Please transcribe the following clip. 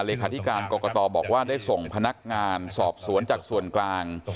เลขาธิการกรกตบอกว่าได้ส่งพนักงานสอบสวนจากส่วนกลาง